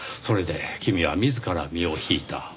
それで君は自ら身を引いた。